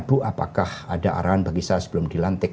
bu apakah ada arahan bagi saya sebelum dilantik